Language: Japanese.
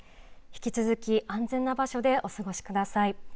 引き続き安全な場所でお過ごしください。